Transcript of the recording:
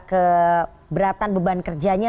keberatan beban kerjanya